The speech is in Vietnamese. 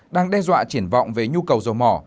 đang đe dọa triển vọng về nhu cầu dầu mỏ